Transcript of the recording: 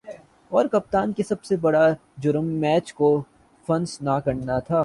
اور کپتان کا سب سے بڑا"جرم" میچ کو فنش نہ کرنا ہے ۔